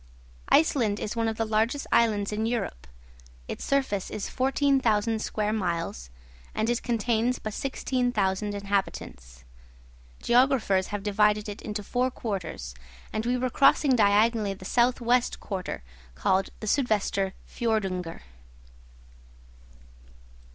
Iceland is one of the largest islands in Europe. Its surface is 14,000 square miles, and it contains but 16,000 inhabitants. Geographers have divided it into four quarters, and we were crossing diagonally the south west quarter, called the 'Sudvester Fjordungr.'